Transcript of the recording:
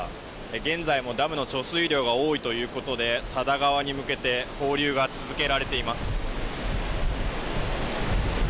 現在もダムの貯水量が多いということで佐田川に向けて放流が続けられています。